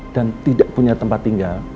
dan tidak punya tempat tinggal